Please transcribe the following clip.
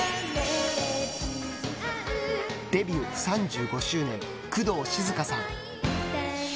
デビュー３５周年工藤静香さん